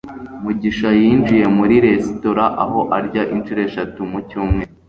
mugisha yinjiye muri resitora aho arya inshuro eshatu mu cyumweru